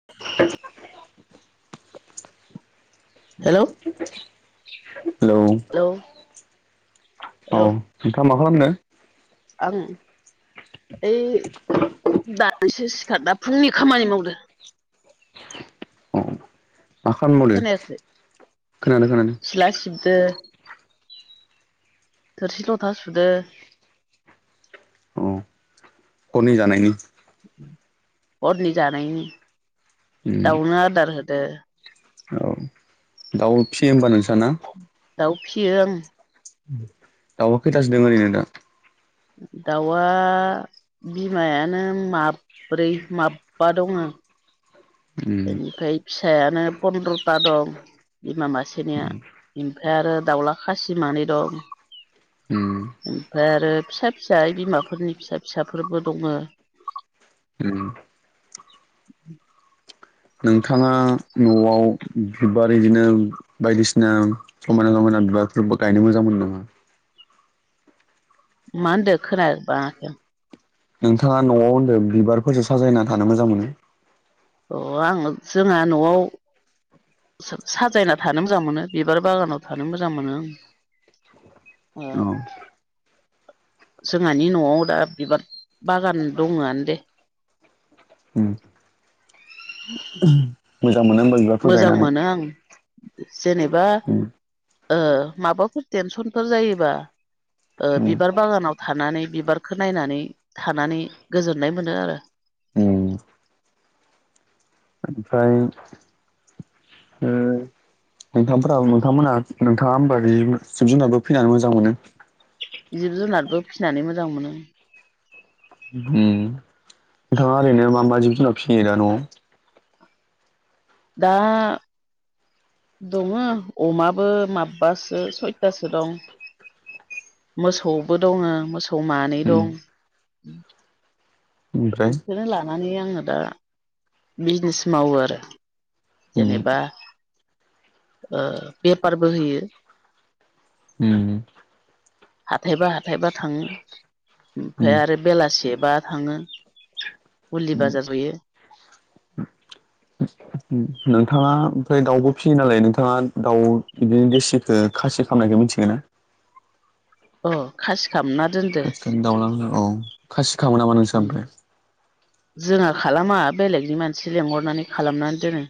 [unintelligible] [unintelligible] Hello औ। Hello नोंथाङा मा हेलौ खालामदों? आङो, ओइ दानोसो सिखारना फुंनि खामानि मावदो। अ, मा खामानि मावदो? खोनायाखै खोनादों - खोनादो। सिला सिबदो थोरसि-लथा सुदो। अ खनि जानायनि हरनि जानायनि उम दाउनो आदार होदो, औ, दाउ फिसियो होमबा नोंसा ना? दाउ फियो आं। दाउआ खैथासो दङो ओरैनो दा? दाउआ बिमायानो माब्रै, माबबा दङो। उम बेनिफ्राय फिसायानो पनन्द्रथा दं। बिमा मासेनिया, उम ओमफ्राय आरो दाउला खासि मानै दं। ओम। ओमफ्राय आरो फिसा-फिसा ओइ बिमाफोरनि फिसा-फिसाफोरबो दङ। ओम। नोंथाङा न'आव बिबार बिदिनो बायदिसिना समायना-रमायना बिबारफोर गायनो मोजां मोनो नामा? मा होनदो खोना बाङाखै आं। नोंथाङा न'आव होनदों बिबारफोरजों साजायना थानो मोजां मोनो। अ, आङ जोंहा न'आव, सा-साजायना थानो मोजां मोनो। बिबार बागानाव थानो मोजां मोनो आं, ओ। औ जोंहानि न'आव दा बिबार बागान दङआनो दे। उम। [inaudible] ओम मोजां मोनो ओमबा बि मोजां मोनो आं जेनेबा उम ओ माबाफोर टेनसनफोर जायोबा उम बिबार बागानाव थानानै बिबार खो नायनानै थानानै गोजोननाय मोनो आरो। ओम। ओमफ्राय ओ नोंथांफोर नोंथांमोनहा नोंथाङा होमबा जिब जिब जुनारबो फिनानै मोजां मोनो? जिब जुनारबो फिसिनानै मोजां मोनो। ओम नोंथाङा ओरैनो मा मा जिब जुनार फिसियो दा न'आव? दा दङ अमाबो माबबासो सयथासो दं। मोसौबो दङो। मोसौ मानै उम दं। ओमफ्राय बेखौनो लानानै आङो दा बिजनेस मावो आरो। उम जेनेबा ओ बेफारबो होयो ओम हाथायबा हाथायबा थाङो उम ओमफ्राय आरो बेलासे बा थाङो हुलि बाजा जुयो। [inaudible] नोंथाङा ओमफ्राय दाउबो फिसियो नालाय नोंथाङा दाउ बिदिनो देसिखौ खासि खालामामनायखौ मिथिगोन ना? अ खासि खालामना दोनदो। बे दावनान औ। खासिखामो नामा नो ओम जोंहा खालामा बेलेगनि मानसि लेंंहरनानै खालामनानै दोनो।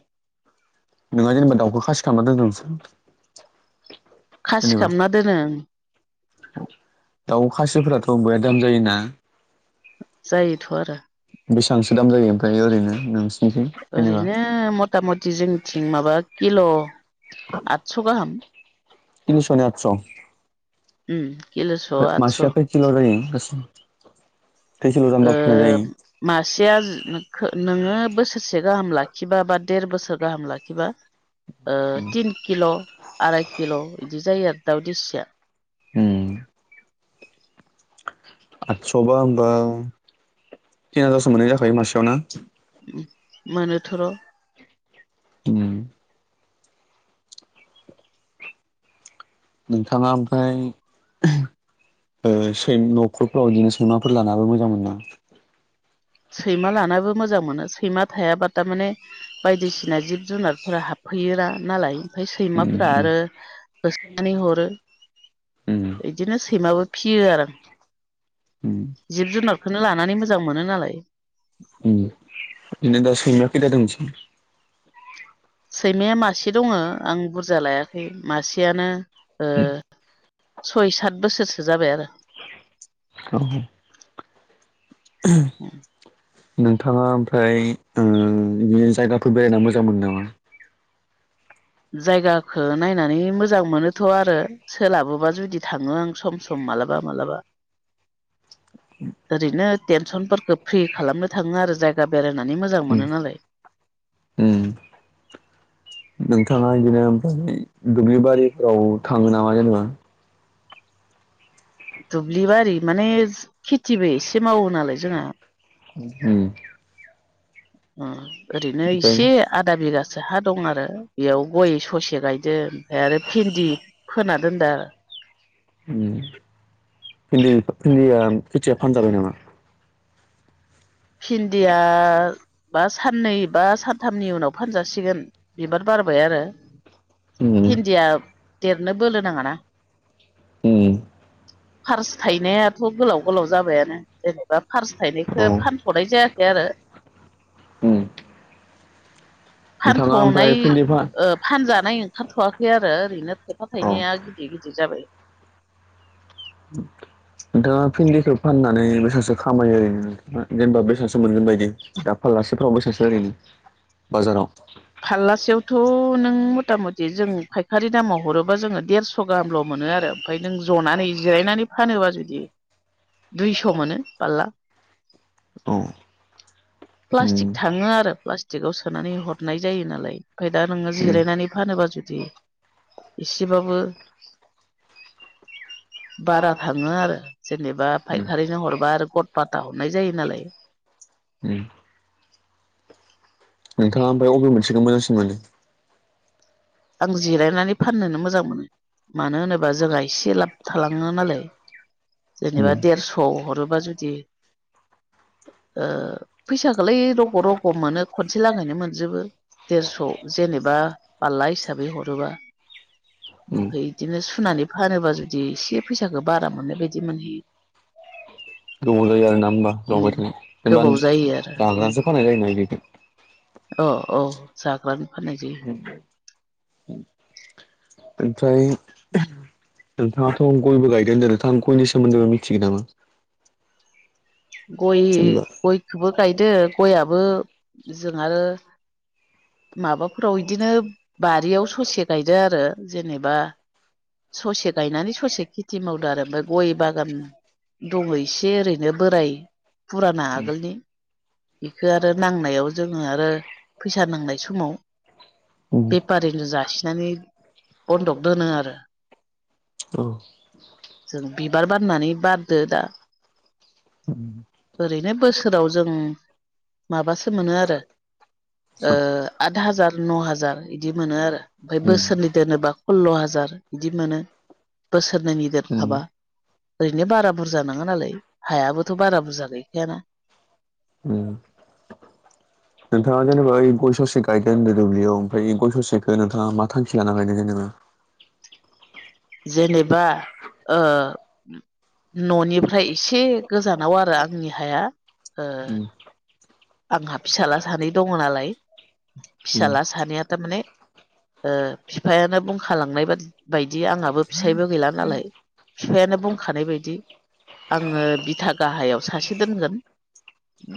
नोंहा जेनेबा दाउखौ खासि खालामना दोनदोंसो खासि खालामना दोन ओं। दाउ खासिफोराथ' बया दाम जायोना? जायोथ' आरो। बेसेबांसो दाम जायो ओमफ्राय ओरैनो नोंसिनिथिं जेनेबा ओरैनो मथा मथि जोंनिथिं माबा किल' आदस' गाहाम तिनस' ने आतस' किल'स' आदस' सेल' जायो गासैबो थैसेल' जाम्बा फाननाय जायो। मासेया खो नोङो बोसोरसे गाहाम लाखिबा बा देर बोसोर गाहाम लाखिबा ओ तिन किल' आराय किल' बिदि जायो आरो दाउ दसिया। उम औ। आदस'बा होमबा तिन हाजारसो मोननाय जाखायो मासेयावना मानेथर' उम नोंथाङा ओमफ्राय न'खरफ्राव बिदिनो सैमाफोर लानाबो मोजां मोना सैमा लानाबो मोजां मोनो सैमा थायाबा थारमाने बायदिसिना जिब जुनारफोरा हाबफैयोना नालाय ओमफ्राय उम सैमाफोरा उम आरो हरो उम बिदिनो सैमाबो फियो आरो आं उम जिब जुनारखौनो लानानै मोजां मोनो नालाय बिदिनो दा सैमा खैथादोंंसै सैमाया मासे दङ आं बुरजा लायाखै मासेयानो सय सात बोसोर औ औ नोंथाङा ओमफ्राय ओ बे जायगाफोर बेरायना मोजां मोनो नामा जायगाखो नायनानै मोजां मोनो थ' आरो सोलाबोबा जुदि थाङो आं सम सम मालाबा मालाबा लांदां ओरैनो टेनसनफोरखौ फ्रि खालामनो थाङो आरो जायगा बेरायनानै मोजां मोनो नालाय ओम नोंथाङा बिदिनो बै दुब्लिबारिफोराव थाङो नामा? जेनेबा दुब्लि बारि माने खिटिबो एसे मावो नालाय जोङा उम ओ ओरैनो ओमफ्राय इसे आधा बिगासो हा दं आरो बेयाव गय ससे गायदों ओमफाय आरो भेन्दि फोना दोनदो आरो ओम भिन्दिआ खोथिया फानजाबाय नामा? भिन्दिया बा साननै बा सानथामनि उनाव फानजासिगोन बिबार बारबाय आरो उम भिन्दिया देरनो बोलो नाङाना औ फार्स थाइनायाथ' गोलाव गोलाव जाबायानो जेनेबा फार्स औ थाइनायखो थनाय जायाखै आरो औ फानथ'नाय भिन्दि फा ओ फानजानाय ओंखारथ'वाखै आरो ओरैनो थायफा थाइनैया गिदिर गिदिर जाबाय लांदां नोंथाङा भिन्दिखौ फाननानै बेसांसो खामायो ओरैनो जेनेबा बेसांसो मोनगोन बायदि दा फालासेफ्राव बेसांसो ओरैनो बाजाराव फाल्लासेयावथ' नों मटा मटि जों फायखारि दामाव हरोबा जोङो देरस' गाहामल' मोनो आरो ओमफाय नों जनानै जिरायनानै फानोबा जुदि दुइस' मोनो पाल्ला औ उम प्लास्टिक थाङो आरो प्लास्टिकआव सोनानै हर गुनाय जायो नालाय ओमफाय दा नोङो उम जिरायनानै फानोबा जुदि एसेबाबो बारा थाङो आरो जेनेबा फायखारिनो हरबा आरो ग पाटा हमनाय जायो नालाय ओम नोंथाङा ओमफ्राय अबे मोनसेखौ मोजांसिन मोनो? आं जिरायनानै फाननोनो मोजां मोनो मानो होनोबा जोंहा एसे लाब थालाङो नालाय उम जेनेबा देरस' हरोबा जुदि [inaudible] ओ फैसाखोलाय रग' रग' मोनो खनसे लागैनो मोनजोबो। देरस' जेनेबा पाल्ला हिसाबै हरोबा उम ओमफाय बिदिनो सुनानै फानोबा जुदि एसे फैसाखो बारा मोननाय बायदि मोनहैयो। [inaudible] गोबाव जायो आरो ना होमबा उम जावबाय थानाय गोबाव जायो आरो जेनेबा उम जाग्रानोसो फाननाय जायो ना बेखौ? औ औ जाग्रानो फाननाय जायो। ओमफ्राय नोंथाङाथ' गयबो गायदो होनदों नोंथां गयनि सोमोन्दैबो मिथिगोन नामा? गय जेनेबा गयखोबो गायदो गयाबो जों आरो माबाफोराव बिदिनो बारियाव ससे गायदों आरो जेनेबा ससे गायनानै ससे खिटि मावदो आरो आमफाय गय बागान दङ इसे ओरैनो बोराय फुराना आगोलनि इखो आरो नांनायाव जोङो आरो फैसा नांनाय समाव उम बेपारिनो जासिनानै बन्दक दोनो आरो। औ जों बिबार बारनानै बारदो दा ओरैनो बोसोराव जों माबासो मोनो आरो ओ आद हाजार न हाजार इदि मोनो आरो ओमफ्राय उम बोसोरनै दोनोबा सल्ल' हाजार बिदि मोनो बोसोरनैनि उम दोनखाबा। ओरैनो बारा बुरजा नङा नालाय हायाबोथ' बारा बुरजा गैखायाना। उम नोंथाङा जेनेबा ओय गय ससे गायदों होनदो दुब्लियाव ओमफ्राय इ गय ससेखौ नोंथाङा मा थांखि लाना गायनाय जेनेबा? जेनेबा ओ न'निफ्राय एसे गोजानाव आरो आंनि हाया ओ उम आंहा फिसाला सानै दङ नालाय उम फिसाला सानैया थारमाने ओ फिफायानो बुंखालांनाय बादि बायदि आंहाबो फिसायबो गैला नालाय फिफायानो बुंखानाय बायदि आङो बिथा गाहायाव सासे दोनगोन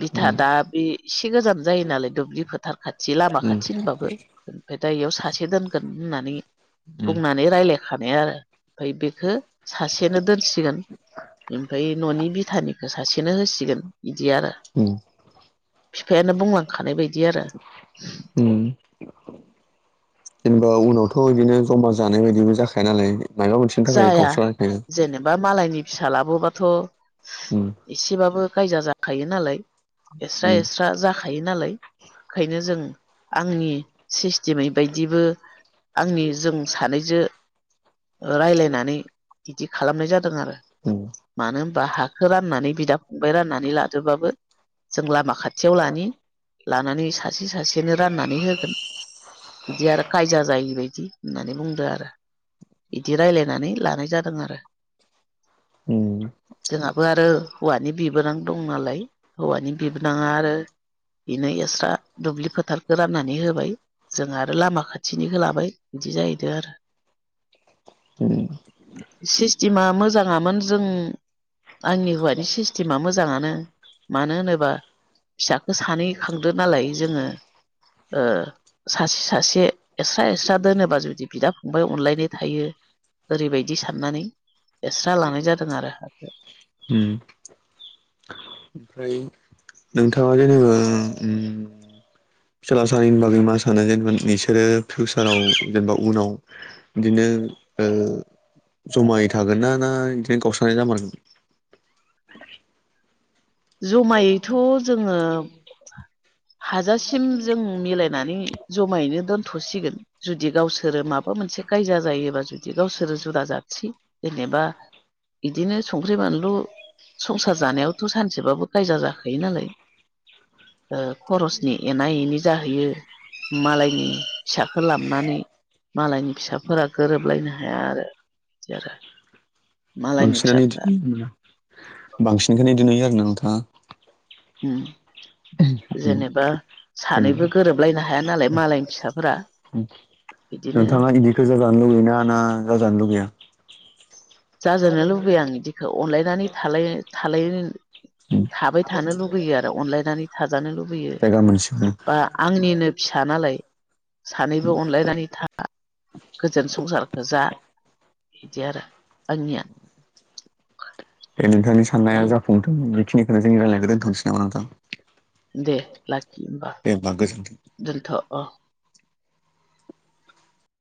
बिथा उम दा बे इसे गोजान जायो नालाय दुब्लि फोथार खाथि लामा उम खाथि होनबाबो ओमफाय दा इयाव सासे दोनगोन होननानै उम बुंनानै रायजलायखानाय आरो ओमफ्राय बेखौ सासेनो दोनसिगोन ओमफ्राय न'नि बिथानिखौ सासेनो होसिगोन बिदि आरो। उम फिफायानो बुंलांखानाय बायदि आरो। उम होमबा उनावथ' बिदिनो जमा जानाय बायदिबो जाखाया नालाय मायबा मोनसेनि थाखाय जाया गावस्रलायखायो जेनेबा मालायनि फिसालाबोबाथ' उम एसेबाबो गायजा जाखायो नालाय एस्रा उम एस्रा जाखायो नालाय ओंखायनो जों आंनि सिस्टेमै बायदिबो आंनि जों सानैजो ओ रायलायनानै बिदि खालामनाय जादों आरो। उम मानो होनबा हाखो राननानै बिदा फंबाय राननानै लादोबाबो जों लामा खाथियाव लानि लानानै सासे सासेनो राननानै होगोन बिदि आरो खायजा जायैबायदि होननानै बुंदो आरो। बिदि रायलायनानै लानाय जादों आरो। उम जोंहाबो आरो हौवानि बिबोनां दं नालाय हौवानि बिबोनाङा आरो इनो एस्रा दुब्लि फोथारखौ राननानै होबाय। जों आरो लामा खाथिनि खो लाबाय इदि जाहैदों आरो। उम। सिस्टेमा मोजाङामोन जों आंनि हौवानि सिस्टेमा मोजाङानो मानो होनोबा। फिसाखो सानै खांदो नालाय जोङो। ओ सासे सासे एस्रा एस्रा दोनोबा जुदि बिदा फंबाय अनलायनाय थायो। ओरैबायदि साननानै एसस्रा लानाय जादों आरो हाखो। उम। फ्राय। नोंथाङा जेनेबा फिसाला सानैनि बागै मा सानो? जेनेबा बिसोरो फिउसाराव जेनेबा उनाव बिदिनो ओ ज'मायै थागोन ना ना बिदिनो गावस्रानाय जामारगोन। जमायैथ' जोङो हाजासिम जों मिलायनानै ज'मायैनो दोनथ'सिगोन। जुदि गावसोरो माबा मोनसे कायजा जायोबा जुदि गावसोरो जुदा जानसै जेनेबा इदिनो संख्रि, बानलु संसार जानायावथ' सानसेबाबो कायजा जाखायो नालाय। ओ खरसनि एना एनि जाहैयो। मालायनि फिसाखो लाबनानै मालायनि फिसाफोरा गोरोबलायनो हाया आरो बिदि आरो। मालायनि बांसिनानो फिसाफ्रा इदिनो बांसिनखोनो बिदि नुयो आरो ना नोंथाङा? उम जेनेबा जेनेबा सानैबो गोरोबलायनो हाया नालाय मालायनि फिसाफोरा बिदिनो जानलुगैयो ना ना जानो लुगैयो? जाजानो लुबैया आं बिदिखौ अनलायनानै थालाय थालाय थाबाय थानो लुुगैयो आरो अनलायनानै थाजानो लुबैयो। जायगा मोनसेखौनो बा आंनिनो फिसा नालाय। सानैबो अनलायनानै था गोजोन संसारखौ जा। इदि आरो आंनिया। ए नोंथांनि साननाया जाफुंथों। बेखिनिखौनो जों रायलायनायखौ दोनथनोसै नामा नोंथां? दे लाखि होमबा। दे होमबा गोजोनथों। दोनथ' अ'